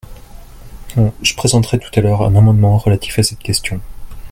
Je présenterai tout à l’heure un amendement relatif à cette question.